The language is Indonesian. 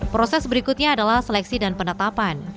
proses berikutnya adalah seleksi dan penetapan